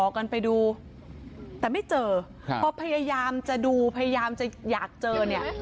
กันไปดูแต่ไม่เจอครับพอพยายามจะดูพยายามจะอยากเจอเนี่ย